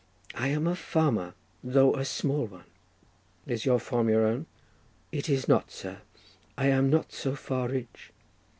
"I am a farmer, though a small one." "Is your farm your own?" "It is not, sir; I am not so far rich."